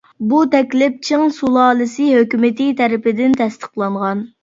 بۇ تەكلىپ چىڭ سۇلالىسى ھۆكۈمىتى تەرىپىدىن تەستىقلانغان.